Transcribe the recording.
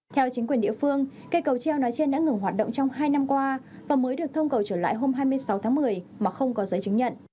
theo chính quyền địa phương cây cầu treo nói trên đã ngừng hoạt động trong hai năm qua và mới được thông cầu trở lại hôm hai mươi sáu tháng một mươi mà không có giấy chứng nhận